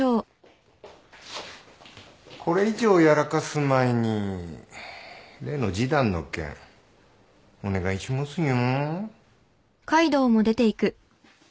これ以上やらかす前に例の示談の件お願いしますよ。